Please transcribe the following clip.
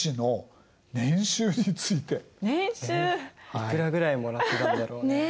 いくらぐらいもらってたんだろうね？ね。